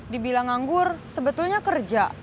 dibilang nganggur sebetulnya kerja